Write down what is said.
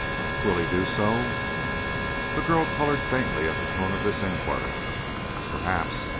"Will he do so?" The girl colored faintly at the tone of this inquiry. "Perhaps.